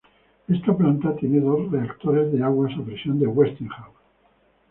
Esta planta tiene dos reactores de agua a presión de Westinghouse.